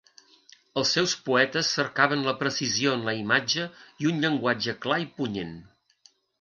Els seus poetes cercaven la precisió en la imatge i un llenguatge clar i punyent.